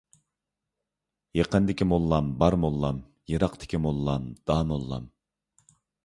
يېقىندىكى موللام بار موللام، يىراقتىكى موللام داموللام.